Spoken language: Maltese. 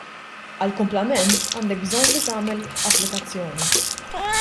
Għall-kumplament, għandek bżonn li tagħmel applikazzjoni.